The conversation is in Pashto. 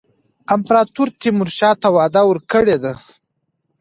امپراطور تیمورشاه ته وعده ورکړې ده.